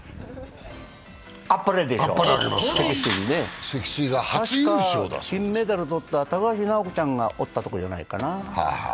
あっぱれでしょう、選手にね金メダルとった高橋尚子ちゃんがおったところじゃないかな。